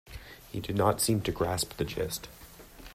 He did not seem to grasp the gist.